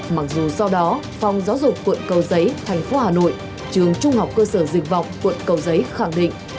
mặc dù sau đó phòng giáo dục quận cầu giấy thành phố hà nội trường trung học cơ sở dịch vọng quận cầu giấy khẳng định